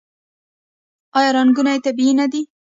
آیا رنګونه یې طبیعي نه دي؟